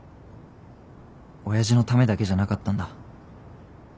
親父のためだけじゃなかったんだ。